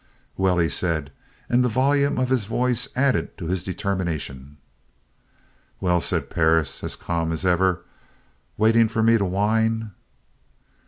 "Well?" he said, and the volume of his voice added to this determination. "Well?" said Perris, as calm as ever. "Waiting for me to whine?"